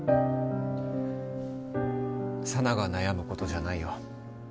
佐奈が悩むことじゃないよ